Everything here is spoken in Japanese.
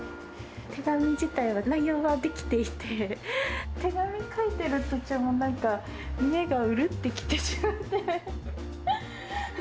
手紙自体は、内容は出来ていて、手紙書いてる途中も、なんか、目がうるってきてしまって。